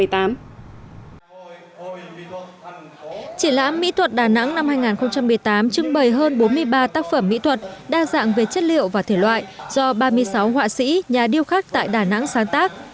triển lãm mỹ thuật đà nẵng năm hai nghìn một mươi tám trưng bày hơn bốn mươi ba tác phẩm mỹ thuật đa dạng về chất liệu và thể loại do ba mươi sáu họa sĩ nhà điêu khắc tại đà nẵng sáng tác